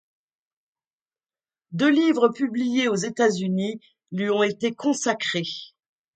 Deux livres publiés aux États-Unis lui ont été consacrés.